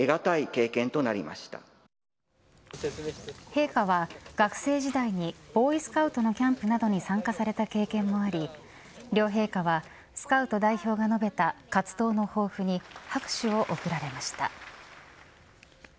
陛下は学生時代にボーイスカウトのキャンプなどに参加された経験もあり両陛下はスカウト代表が述べた活動の抱負に拍手を送られました。